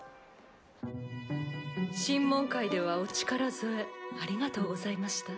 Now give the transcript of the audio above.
審問会ではお力添えありがとうございました。